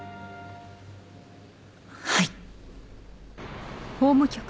はい。